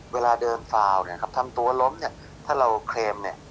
เวลาเดินฟาวเนี่ยครับทำตัวล้มเนี่ยถ้าเราเคลมเนี่ย